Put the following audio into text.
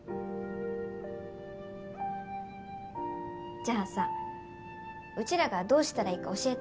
じゃあさうちらがどうしたらいいか教えて。